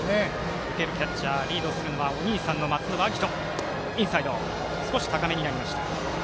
受けるキャッチャーリードするのはお兄さんの松延晶音。